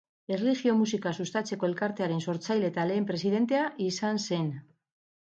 Erlijio Musika Sustatzeko Elkartearen sortzaile eta lehen presidentea izan zen.